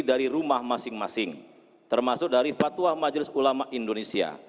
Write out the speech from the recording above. dari rumah masing masing termasuk dari fatwa majelis ulama indonesia